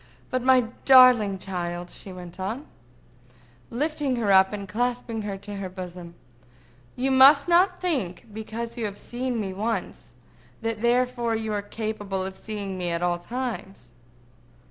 —But, my darling child," she went on, lifting her up and clasping her to her bosom, "you must not think, because you have seen me once, that therefore you are capable of seeing me at all times.